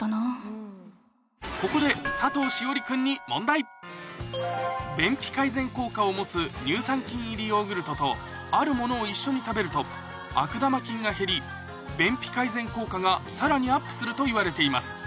ここで佐藤栞里君に便秘改善効果を持つ乳酸菌入りヨーグルトとあるものを一緒に食べると悪玉菌が減り便秘改善効果がさらにアップするといわれています